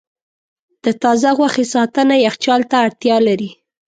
د تازه غوښې ساتنه یخچال ته اړتیا لري.